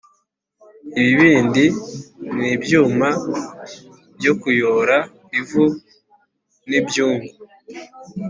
ibibindi n’ibyuma byo kuyora ivu n’ibyungu